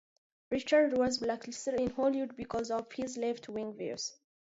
Richards was blacklisted in Hollywood because of his left wing views.